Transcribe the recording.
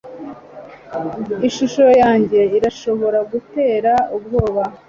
ishusho yanjye irashobora gutera ubwoba